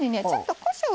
あこしょう。